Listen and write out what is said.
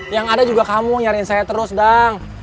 yang ada juga kamu nyariin saya terus dang